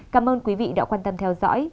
cảm ơn quý vị đã quan tâm theo dõi